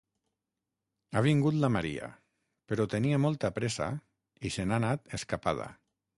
Ha vingut la Maria, però tenia molta pressa i se n'ha anat escapada.